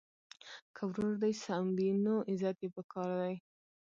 که ورور دي سم وي نو عزت یې په کار دی.